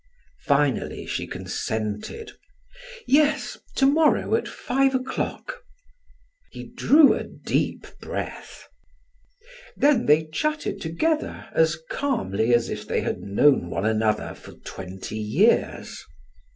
Finally she consented. "Yes, to morrow at five o'clock." He drew a deep breath; then they chatted together as calmly as if they had known one another for twenty years.